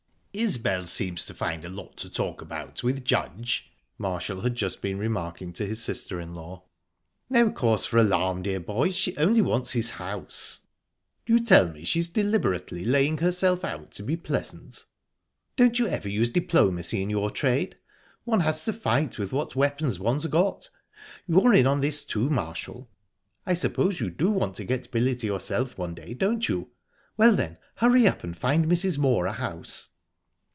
"Isbel seems to find a lot to talk about with Judge," Marshall had just been remarking to his sister in law. "No cause for alarm, dear boy she only wants his house." "Do you tell me she's deliberately laying herself out to be pleasant...?" "Don't you ever use diplomacy in your trade? One has to fight with what weapons one's got. You're in on this too, Marshall. I suppose you do want to get Billy to yourself one day, don't you? Well, then hurry up and find Mrs. Moor a house."